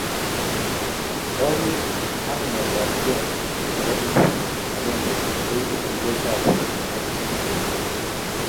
Konyit ak naetab gee nebo kip agenge koibu teleletab katunisienyoo